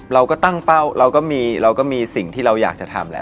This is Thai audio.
เราก็ตั้งเป้าเราก็มีเราก็มีสิ่งที่เราอยากจะทำแล้ว